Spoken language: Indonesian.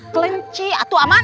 kelenci itu aman